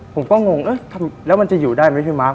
ผมก็งงแล้วมันจะอยู่ได้ไหมพี่มาร์